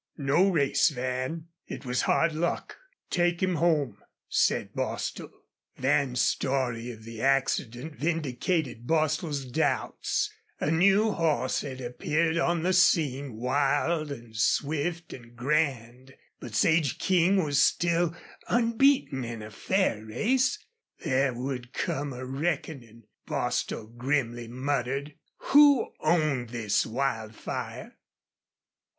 "No race, Van! It was hard luck. Take him home," said Bostil. Van's story of the accident vindicated Bostil's doubts. A new horse had appeared on the scene, wild and swift and grand, but Sage King was still unbeaten in a fair race. There would come a reckoning, Bostil grimly muttered. Who owned this Wildfire?